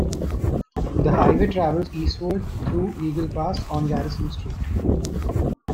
The highway travels eastward through Eagle Pass on Garrison Street.